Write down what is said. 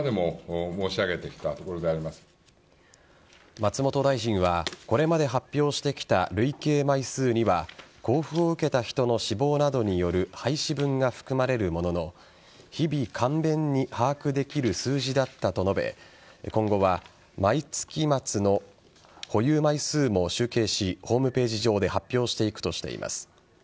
松本大臣はこれまで発表してきた累計枚数には交付を受けた人の死亡などによる廃止分が含まれるものの日々、簡便に把握できる数字だったと述べ今後は毎月末の保有枚数も集計しホームページ上で発表していくとしています。